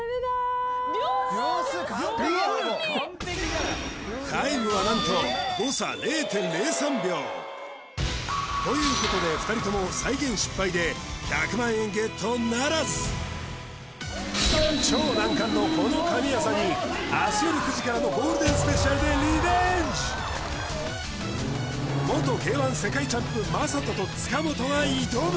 秒数完璧だほぼタイムはなんと誤差０．０３秒ということで２人とも超難関のこの神業に明日夜９時からのゴールデンスペシャルで元Ｋ−１世界チャンプ魔裟斗と塚本が挑む！